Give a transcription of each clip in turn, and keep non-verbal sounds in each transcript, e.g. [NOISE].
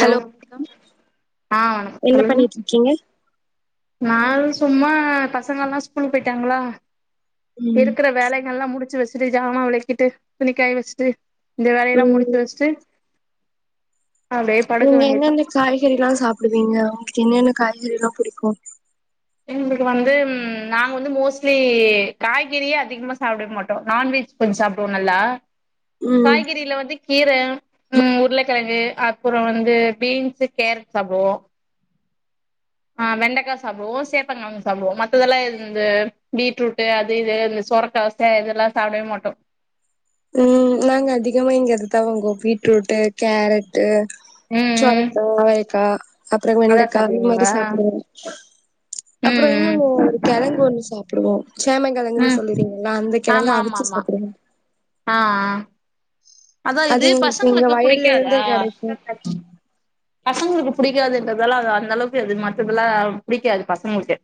hello ஆ என்ன பண்ணிட்டு இருக்கீங்க நானும் சும்மா பசங்க எல்லாம் ஸ்கூலுக்கு போயிட்டாங்களா ம் இருக்கற வேலைகள் எல்லாம் முடிச் முடிச்சு வச்சிட்டு ஜாமா விளக்கிட்டு துணிக்காய வச்சிட்டு இந்த வேலையெல்லாம் முடிச்சு ம் வச்சிட்டு நீங்க என்னன்ன காய்கறிலா சாப் புடுவீங்க உங்ளுக்கு என்னென்ன காய்கறிலா புடிக்கு எங்ளுக்கு வந்து நாங்வந்து மோஸ்ட்லி காய்கறியே அதிக்மா சாப்டே மாட்டோ நான்வெஜ் கொஞ் சாப்டுவோ நல்லா ம் காய்கறில வந்து கீர ம் உர்ளகெழங்கு அப்புறொ வந்து பீன்ஸு கேரட் சாப்டுவோ அ வெண்டக்கா சாப்டுவோ சேப்பங்கெழங்கு சாப்டுவோ மத்ததெல்லா இந்த பீட்ரூட்டு் அது இது ந்த சொரக்கா சே இதுல்லா சாப்டவே மாட்டோ ம் நாங்க அதிகமா இங்க அததா வங்குவோ பீட்ரூட்டு் கேரட்டு் ம் ம் சொரக்கா வாயக்கா அப்ற நல்லா வெண்டக்கா இந் சாப்டுவீங்களா மாரி சாப்டுவோ ம் அப்றோ இன்னொன்னு ம் ஒரு கெழங்கு ஒன்னு சாப்டுவோ சேமங்கெழங்குன்னு ம் சொல்லுறீங்கல்ல அந்த கெழங்க அவிச்சு சாப்புடுவோ அ அ அதா அது இது எங்களுக்கு எங்க பசங்ளுக்கு வயல்ல இருந்தே புடிக்காதா கெடைக்கு பசங்ளுக்கு பிடிக்காதுன்றதால அத அந்த அளவுக்கு அது மத்ததுல்லா புடிக்காது பசங்ளுக்கே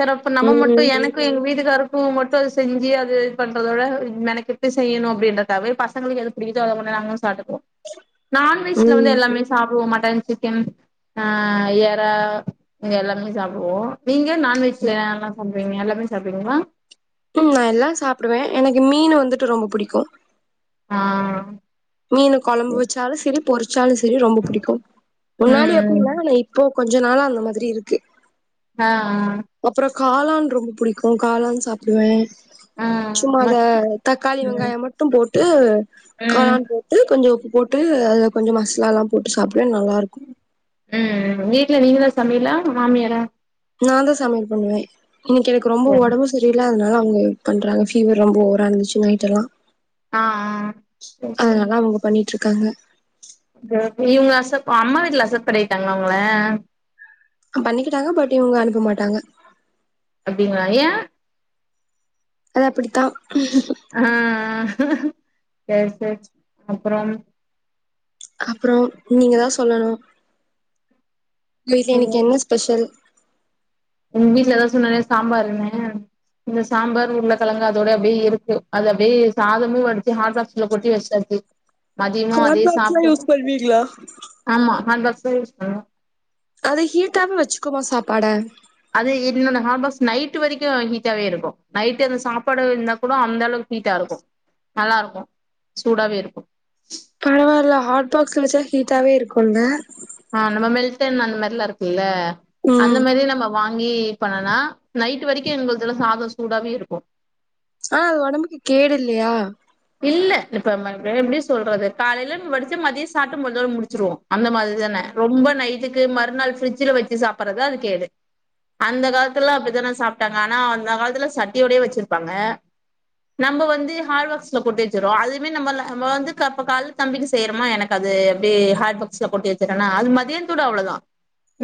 சேர் அப்ப நம்ப மட்டு ம் எனக்கு எங்க வீட்டுக்காரு டூ மட்டு அது செஞ்சி அது இது பண்றதோட மெனக்கிட்டு செய்யணு அப்டின்றக்காவவே பசங்ளுக்கு எது வினிதா ஓட பொண்ணு நாங்களு சாட்டுப் நான்வெஜ்ல வந்து ம் எல்லாமே சாப்டுவோ மட்டன் சிக்கன் அ எறா எல்லாமே சாப்டுவோ நீங்க நண்வெஜ்ல என்னனல்லா சப் வீங் எல்லாமே சாப்டுங்ளா ம் நா எல்லா சாப்டுவே எனக்கு மீன் வந்துட்டு ரொம்ப புடிக்கு ஆ மீனு கொழம்பு வச்சாலு சரி பொரிச்சாலு சரி ரொம்ப புடிக்கு முன்னாடி அப்டி ம் இல்ல ஆனா இப்போ கொஞ்ச நாள அந்த மாதுரி இருக்கு அ அ அப்றோ காளான் ரொம்ப புடிக்கு காளான் சாப்டுவே ஆ சும்மா அத மஷ் தக்காளி ம் வெங்காய மட்டு போட்டு ம் காளான் கொஞ்சோ உப்பு போட்டு அதுல கொஞ்சோ மசாலால்லாம் போட்டு சாப் உம் வீட்ல நீங்க தான் சமையலா மாமியாரா நான் தான் சமையல் பண்ணுவேன் இன்னைக்கு எனக்கு ரொம்ப சரி உடம்பு சரியில்ல அதுனால அவுங்க பண்றாங்க ஃபீவர் ரொம்ப ஓவரா இருந்துச்சு நைட்டல்லாம் ஆஹ் ஆஹ் சரி சரி ட்டு இருக்காங்க நீங்க அக்சப் அம்மா வீட்ல அக்சப் பண்ணீட்டாங்களா உங்கள பண்ணிக்கிட்டாங்க பட் இவுங்க அனுப்ப மாட்டாங்க அப்டிங்களா ஏன் அது அப்டித்தான் ஆஹ் சரி சரி அப்புறம் அப்புறம் நீங்க தான் சொல்லணும் வீட்ல இன்னைக்கு ம் என்ன ஸ்பெஷல் உங்க வீட்லதான் எதாவது சொன்னாங்களா சாம்பாருன்னு இங்க சாம்பார் உருளக் கெழங்கு அதோட அப்டியே இருக்கு அது அப்டியே சாதமும் வடுச்சு ஹாட் பாக்ஸ்ல கொட்டி வச்சாச்சு மதியமு அதே ஹாட்பாக்ஸ்லாம் சாப்ட்டோ யூஸ் பண்ணுவீங்களா ஆமா ஹாட் பாக்ஸ் தா யூஸ் பண்ணுவோ அது ஹீட்டாவே வச்சுக்குமா சாப்பாட அது இன்னொன்னு ஹாட்பாக்ஸ் நைட் வரைக்கும் ஹீட்டாவே இருக்கும் நைட்டு அந்த சாப்பாடு இருந்தா கூட அந்த அளவுக்கு ஹீட்டா இருக்கும் நல்லாருக்கும் சூடாவே இருக்கும் பரவால்ல ஹாட்பாக் ஸ்ல வச்சா ஹீட்டாவே இருக்குல்ல ஆஹ் நம்ம மெல்ட்டன் அந்த மாரில்லா இருக்குல்ல அந்த ம் மாதிரி நம்ம வாங்கி பண்ணுனா நைட் வரைக்கும் இவுங்களுக்கலா சாதம் சூடாவே இருக்கும் ஆஹ் அது உடம்புக்கு கேடு இல்லையா இல்ல இப்ப ம வ எப்டி சொல்றது காலேல வடுச்சா மதியம் சாப்பிட்டு முழுதோ முடிச்சுருவோம் அந்த மாதிரி தான ரொம்ப நைட்டுக்கு மறுநாள் ஃபிரிட்ஜ்ல வச்சு சாப்பட்றது அது கேடு அந்த காலத்துலாம் அப்டித்தான சாப்ட்டாங்க ஆனா அந்த காலத்துல சட்டியோடயே வச்சிருப்பாங்க நம்ம வந்து ஹாட்பாக்ஸ் ல கொட்டி வச்சரோம் அதுமே நம்ம ல நம்ம வந்து கா இப்ப காலேல தம்பிக்கு செய்யறோமா எனக்கு அது எப்டி ஹாட்பாக்ஸ்ல கொட்டி வச்சுட்டோனா அது மதியானத்தோட அவ்ளோதான்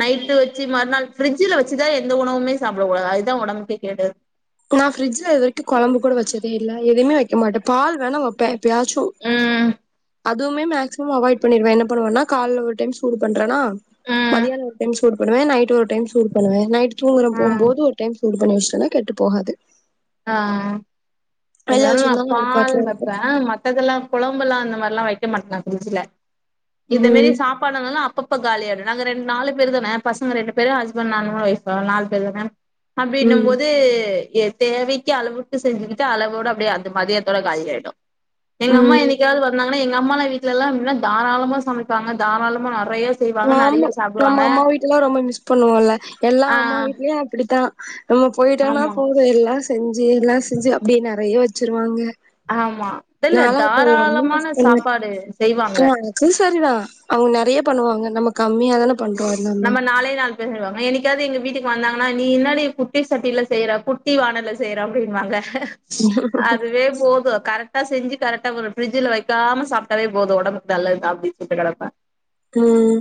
நைட்டு வச்சு மறுநாள் ஃபிரிட்ஜில வச்சுதான் எந்த உணவுமே சாப்டக்கடாது அதுதான் உடம்புக்கே கேடு நான் ஃப்ரிட்ஜில இதுவரைக்கும் குழம்பு கூட வச்சதே இல்ல எவுமே வக் க்க மாட்டே பால் வேணா வப்பே எப்பயாச்சு ம் அதுமே மேக்சிமம் அவாய்ட் பண்ணிடுவே என்ன பண்ணுவனா கால்ல ஒரு டைம் சூடு பண்றனா ம் மதியான ஒரு டைம் சூ சூடுபன்னுவே நைட் ஒரு டைம் சூடு பண்ணுவே நைட் தூங்குற போம் போது ஒரு டைம் சூடுப் பண்ணி வச்டோனா கெட்டுப் போகாது ஆஹ் வெளில இருந்தாலு நா வச்சிருந்தாலு அது பால் பாட்டுல இருக்கு வப்பே மத்ததெல்லாம் கொழம்பெல்லா அந்த மார்லா வைக்க மாட்டோ நாங்க ப்ரிச்சுல இத மெரி ம் சாப்பாடுங்கல்லா அப்பப் இப்ப காலியாய்டு நாங்க ரெண் நாலு பேர் தானா பசங்க ரெண்டு பேரு ஹஸ்பன்ட் நானு ஒய்ஃபு நால் பேர் தான அப்டினும் ம் போது எஸ் தேவைக்கு அளவுக்கு செஞ்சுகிட்டு அளவோட அப்டியே அந்த மதியத்தோட காலி ஆய்டு எங்கம்மா ம் என்னிக்காவது வந்தாங்கனா எங்க அம்மாலா வீட் ட்லல்லா எப்டினா தாராளமா சமைப்பாங்க தாராளமா நட ஆமா நம்மம்மா வீட்டுல்லா ரொம்ப மிஸ் பண்ணுவோல்ல எல்லா ஆ அம்மா வீட்லியு அப்டித்தா நம்ம போய்ட்டனா ஆமா போது எல்லா செஞ்சி எல்லா செஞ்சி அப்டியே நெறைய வச் ச்சிருவாங்க ஆமா இல்ல நானா இருக்க என்னி தாராளமான கஷ்டங்க சாப்பாடு செய்வாங்க ஆ அது சரி தா அவங்க நெறையப் பண்ணுவாங்க நம்ம கம்மியா தானப் நம்ம நாளே நாள் பேடுவாங்க என்னிக் கியாது எங்க வீட்டுக் வந்தாங்கனா நீ என்னாடி குட்டி சட்டில செய்ற குட்டி வானல்ல செய்ற அப்டின்வாங்க அதுவே போது கரெட் டா செஞ்சு கரெக்டா வரு ஃப்ரிட்ஜ்ல வைக்காம சாப்டாவே போது ஒடம்புக்கு நல்லத்தா அப்டின் சொல்ட்டு நெனப்ப ம்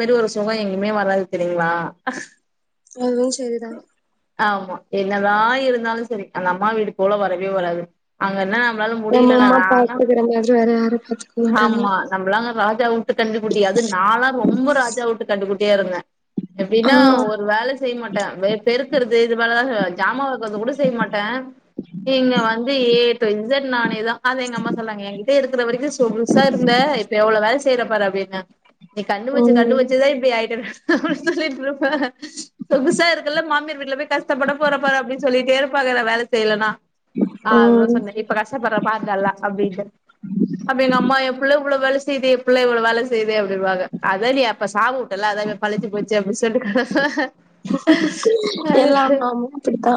வெதுவொர்ஸ் சொகோ எங்கிமே வராது தெரியீங்ளா அதுவு செரிதா ஆமா என்னதா இருந்தாலு சரி அந்த அம்மா வீடு போல வரவே வராது அங்கன்னா நம்லால நம்ம முடிலனா அம்மா நாலா பாத்துக்கிற மாதிரி வேற யாரு பாத்துக்க மாட்டாங்க ஆமா நம்ளா ராஜாவூட்டு கன்னுக்குட்டி அது நாலா ரொம்ப ராஜாவூட்டுக் கண்ணுகுட்டியா இருந்த ஆ எப்டின்னா ஒரு வேல செய்ய மாட்ட வே பெருக்குறது இது போலதா செய்வ ஜாமா வளக்குறது கூட செய் மாட்ட இங்க வந்து ஏ டூ இஸெட் நானேதா அத எங்க அம்மா சொல்றாங்க எங்கிட்ட இருக்கிற வரிக்கு ஸ் புதுசா இருந்த இப்ப எவ்ளோ வேலஸ் செய்ற பாரு அப்டின்னா நீ கண்ணு வச்சி கண்ணு ம் வச் இப்டியாய்டனு சொல்லிட்ருப்ப சொகுசா இருக்கல்ல மாமியார் வீட்ல பேய் கஷ்டப்பட போறப் பாரு அப்டின்னு சொல்லிட்டே இருப்பாங்க வேல செய்லனா ஆ அததா ம் சொன்ன இப்ப கஷ்டப்படுற பார் நல்லா அப்டின்ட்டு அப்றோ எங்க அம்மா ஏ புள்ள இவ்ளோ வேல செய்தே இப்புள்ள இவ்வள வேல செய்து அப்டின்டுவாங்க அதே நீ இப்ப சாவு உட்டல்ல அதா பழிஞ்ச்சி போச்சே அப்டி சொல்ட்டு எல்லா அம் அம்மாவு அப்புடித்தா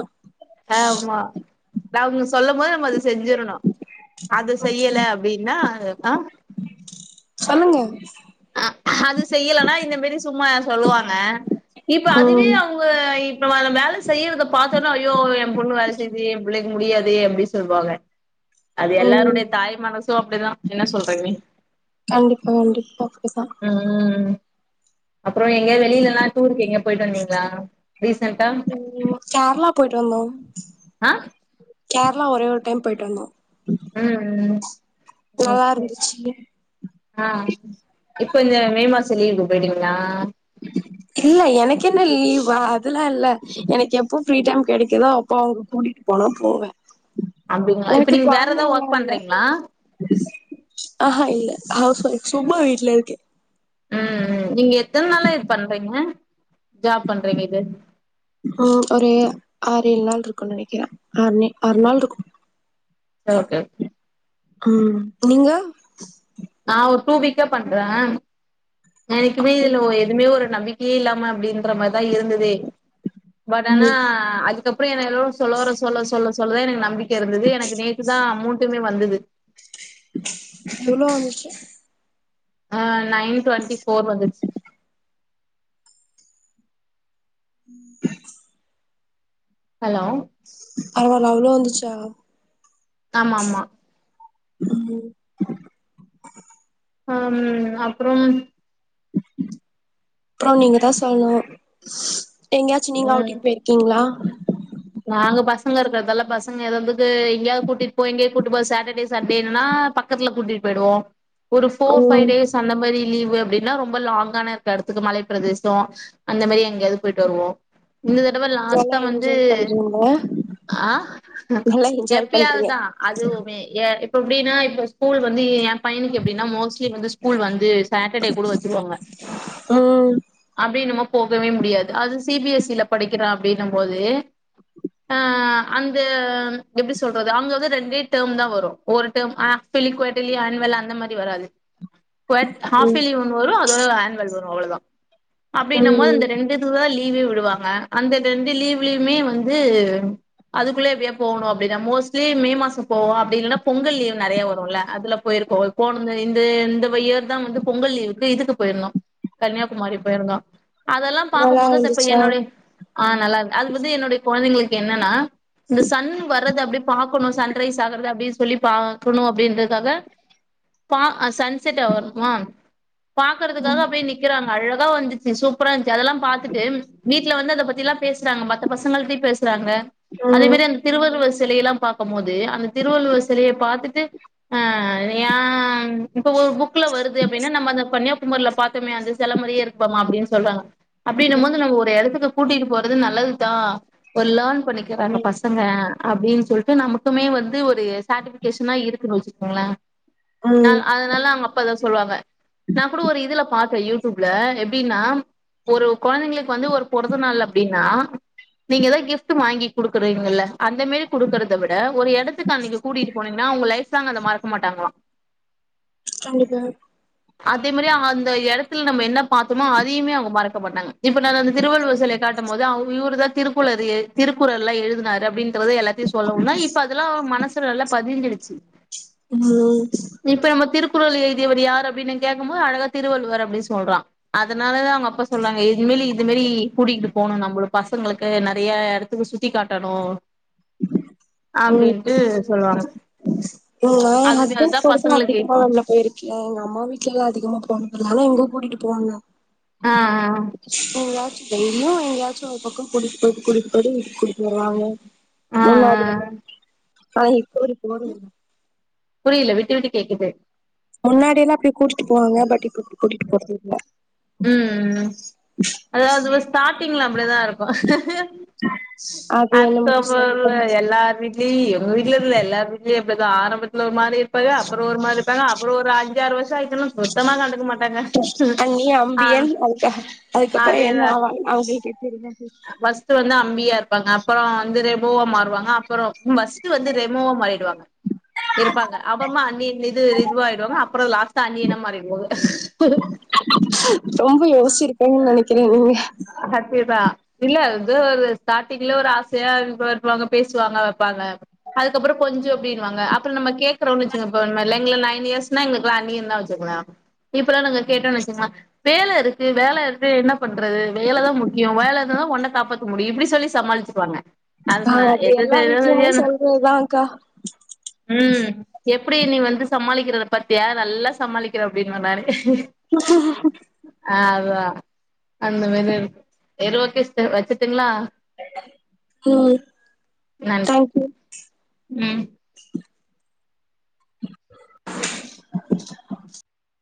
லெ அவுங்க சொல்லம் போது நம்ம அத செஞ்சிறணு அது செய்யில ம் அப்டின்னா ஆஹ் சொல்லுங்க ஆ அது செய்யிலனா இந்த மேரி சும்மா சொல்லுவாங்க இப்பே அதுவே ம் அவுங்க இப் மலால பேலஸ் செய்யிறத பாத்தோன்னா ஐயோ ஏ பொண்ணு வேல செய்து எ புள்ள முடியாதே அப்டி சொல்வாங்க அது ம் எல்லாருடைய தாய் மனசு அப்டிதா என்ன சொல்றீங்க நி கண்டிப்பா கண்டிப்பா அப்டிதா உஹ்ம் உம் ம் அப்றோ எங்க வெளிலெல்லா டூருக்கு எங்கே போய்ட்டு வந்தீங்களா ரீசென்டா ம் கேரளா போயிட்டு வந்தோ ஆஹ் பொய்டுவந்தோ உம் உம் நல்லா ஒகே இருந்துச்சு ஆஹ் இப்ப இந்த மே மாச லீவு அப்படிங்க்ளா இல்ல எனக்கு என்ன லீவ் ஆ அதுல்லா இல்ல எனக்கு எப்போ ஃப்ரீ டைம் கெடைக்குதோ அப்போ அவங்க கூட்டிட்டு போனா போவ அப்டிங்களா இப்ப ஒனக்கு நீங்க வேற ஏதாவது கொழந்தைங்களா ஒர்க் இல்ல பண்றீங்களா ஆஹ்ஹா இல் ஹவ்வொஃப் சும்மா வீட்லே இருக்கே ஆஹ் அஹ் நீங்க எப் எத்தன நாளா இது பண்றீங்க ஜாப் பண்றீங்க இது ஆஹ் ஒரு ஆ று ஏழ் நாள் இருக்குன்னு நெனக்கிறே ஆற் நே ஆறு நாள் இருக்கு ஓகே உம் நீங்க நா ஒரு டூ வீக்கா பண்றே எனைக்குமே இதுல எதுவுமே ஒரு நம்பிக்கையே இல்லாம அப்டின்ற மாரி தா இருந்தது பட் ஆனா ம் அது அப்புற எனக் கொ சொல்லோற சொல்ல சொல்ல சொல்ல சொல்ல தா எனக்கு நம்பிக்க இருந்தது எனக்கு நேத்துதா அமௌண்டுமே வந்தது எவ்ளோ வந்துச்சு ஆ நைன் டுவெண்ட்டி போஃர் வந்துட்ச்சு ம் ஹலோ பரவால அவ்ளோ வந்துச்சா ஆமாமா ம் அம் அப்றம் அப்றம் நீங்க தா சொல்ணு எங்கயாச்சு நீங்க ம் அவ்ட்டிங் பேர்க்கீங்ளா நாங்க பசங்க இருக்கறதால்ல பசங்க எதாது எங்கயாவது கூட்டிட்டு போ எங்கயாவது கூட்டிட்டு போன்னா சட்டடே சண்டேன்னா பக்கத்துல கூட்டிட்டு போய்டுவோ ஒரு ஃபோர் ஃபைவ் ம் டேஸ் அந்த மாரி லீவு அப்படின்னா ரொம்ப லாங்கான இருக்க எடத்துக்கு மலை பிரதேசோ அந்த மாரி எங்கயாது போய்ட்டு வருவோ இந்த தடவ நல்லா லாஸ்ட்டா வந்து என்ஜாய் பண்றீங்க ஆ நல்லா என்ஜாய் பண்றீங்க எப்பயாவதுதா அதுவுமே எப் அ இப்ப எப்புடின்னா இப்ப ஸ்கூல் வந்து என் பையனுக்கு எப்புடின்னா மோஸ்ட் ட்லி வந்த ஸ்கூல் வந்து சாட்டர்டே கூட வச்சுருவாங்க ம் அப்டின்னு மோ போகவே முடியாது அது சி பி எஸ் சில படிக்கிறான் அப்டின்னும் போது ஆ அந்த எப்டி சொல்றது அவங்க வந்து ரெண்டே டேர்ம் தா வரும் ஒரு டேர்ம் அ ஃப்பேர்லி குவார்ட்டலி அன்னுவல் அந்த மாரி வராது குவேட் ம் ஹாஃப்யேர்லி ஒண்ணு வரும் அதோட அன்னுவல் வ அவ்ளோதா அப்டின்னம் போது ம் இந்த ரெண்டு இது தா லீ லீவு விடுவாங்க அந்த ரெண்டு லீவ்லயுமே வந் ந்து அதுக்குள்ளே எப்டியா போகணும் அப்டிதான் மோஸ்ட்லி மே மாசம் போவோம் அப்புடி இல்லன்னா பொங்கல் லீவ் நறையா வரும்ல அதுல போயிருக்கோம் போனது இந்த இந்த வ இயர் தான் வந்து பொங்கல் லீவுக்கு இதுக்கு போயிருந்தோம் கன்னியாகுமாரி போயிருந்தோம் அதெல்லாம் பாக்கும் நல்லா போது அது இப்ப இருந்துச்சா என்னுடைய ஆ நல்லாரு அது வந்து என்னுடைய அது எங்குளுக்கு என்னன்னா இந்த சன் வர்ரது அப்டேப் பாக்கணும் சன்ரைஸ் ஆகுறது அப்டி சொல்லி பாக்கணும் அப்டின்றதுக்காக பா அ சன்செட் அ வர்மா பாக்குறதுக்காக ம் அப்புடியே நிக்கிறாங் அழகா வந்துச்சு சூப்பரா இருந்ச் சு அதெல்லா பாத்துட்டு வீட் ல வந்து அத பத்தில்லா பேசறாங்க மத்த பசங்கள்ட்டயு பேசறாங்க அதே ம் மாரி அந்த திருவள்ளுவர் சிலையெல்லா பாக்கம்போது அந்த திருவள்ளுவர் சிலைய பாத்துட்டு அ ஏ பு புக்ல வருது அப்டின்னா நம்ம அத கன்யா குமரில பாத்தமே அந்த செல மாரியே இருக்கு பாமா அப்டின்னு சொல்றாங்க அப்டின்னும் போது நம்ம ஒரு எடத்துக்கு கூட்டிட்டு போறது நல்லது தா கொல்லான் பண்ணிக்கிறாங்க பசங்க அப்டின்னு சொல்ட்டு நா மட்டுமே வந் ன்னு ஒரு சாட்டிபிகேஷனா இருக்கனு [UNINTELLIGIBLE] ம் நாங்க அதனால அவங்க அப்பா சொல்வாங்க நா கூட ஒரு இதுல பாத்த யூடியூப்ல எப்டின்னா ஒரு கொழந்திங்களுக்கு வந்து ஒரு பொறந்த நாள் அப்டின்னா நீங்க எதாவ்து கிஃப்ட் வாங்கி குடுக்குறீங்கல்ல அந்த மேரி குடுக்கிறத விட ஒரு எடத்துக்கு அன்னிக்கு கூட்டிட்டு போனீங்கன்னா உங்க லைஃப் ங்கல மறக்க மாட்டாங்களா கண்டிப்பா அதே மேரி அங்க அந்த எடத்துல நம்ம என்ன பாத்தமோ அதியுமே அவங்க மறக்கமாட்டாங்க இப்ப நா வந்து திருவள்ளுவர் செலைய காட்டும் போது இவுருதா திருக்குளரு எழுதி திரு குரல்லாம் எழுதுனாரு அப்டின்றது எல்லாத்தையு சொல்லவுந்தா இப்ப அதெல்லா மனசுல நல்லா பதிஞ்சிடுச்சு ம் இப்ப நம்ம திருக் குரல் எழுதியவர் யாரு அப் அப்டினு கேக்கம்போது அழகா திருவள்ளுவர் அப்டின் சொல்றான் அதனால தா அவங்கப்ப சொல்றாங்க [UNINTELLIGIBLE] இதுமேரி கூட்டிட்டு போனு நம்பளு பசங்களுக்கு நறையா எடத்துக்கு சுத்தி காட்டணு ம் நா ஏன் அதுவே அதுதான் ஹஸ்பண்ட் [UNINTELLIGIBLE] பசங்களுக்கு அதிகமா இப்போ அதுல போயிருக்கே எங்க அம்மா வீட் வீட்லெல்லா அதிகமா போன் பண்ணாங்க எங்க கூட்டிட்டு போவாங்க ஆ [UNINTELLIGIBLE] டெய்லியு எங்கேயாச்சு ஒரு பக்கோ கூடிட்டு போயிட்டு கூடிட்டு போயிட்டு கூட்டிட்டு வருவாங்க ஆ ஆ [INAUDIBLE] ஆ ஆஹ [UNINTELLIGIBLE] புரியல விட்டு விட்டு கேக்குது முன்னாடிய எல்லா அப்பிடி கூட்டு போவாங்க பட் இப்ப கூட்டிட்டு போறதில்ல உம் அதாவது ஸ்டார்டிங்ல அப்டிதா இருக்கு அது என்னமோ அக்டோபர்ல சரிதா எல்லார் வீட்லயு எங்க வீட்ல இல்ல எல்லார் வீட்டுலயு அப்பிடிதா ஆரம்பத்துல ஒரு மாரி இப்பவே அப்புறம் ஒரு மாரிப்பங்க அப்புறம் ஒரு அஞ்சாறு வருசம் ஆய்ருச்சுனா மொத்தமா கண்டுக்க மாட்ட டாங்க அண்ணி அம்பியன் அதுக்க அதுக்கப்புறம் என்ன ஆவாங்கனு அவங்களுக்கே தெரியாது வஸ்த வந்தா அம்பியா இருப்பாங்க அப்புறம் ரெமோவா மாறுவாங்க அப்புறம் ஃபஸ்ட் வந்து ரெமோவா மா ப்பாங்க இறுப்பாங்க அ இ இதுவாயிடு அப்புறம் லாஸ்டா அன்னியனா மாறிடுவாங்க ம் [UNINTELLIGIBLE] இல்ல அது ஒரு ஸ்டாரிங்ல ஒரு ஆசையா இதுபன்னு வாங்க பேசுவாங்க வைப்பாங்க அதுக்கப்புறம் கொஞ்சோ அப்டினுவாங்க நம்ம கேக்குறோம்ல நைன் இயர்ஸ்சுனா எங்களுக்கு அன்னியன் இப்பல்லாம் நாங்க கேட்டோனு வைச்சுங்கோங்களே வேல இருக்கு வேல இருக்கு என்னா பண்றது வேலதா முக்கிய வேல இருந்ததா ஒன்ன காப்பாத்த முடியும் இப்டி சொல்லி சமாளிச்சிருவாங்க அது ஆ சொன்ன எது எல்லா வீட்லயுமே சொல்றதுதா அக்கா [UNINTELLIGIBLE] உம் எப்படி நீ வந்து சமாளிக்கிறத பத்தியா நல்லா சமாளிக்கிறே அப்படின்னு சொன்னாரு [INAUDIBLE] ஆவா [INAUDIBLE] அந்த மாரி இரு எருவா க வச்சுட்டுங்களா உம் தேங்கயூ உம் [INAUDIBLE]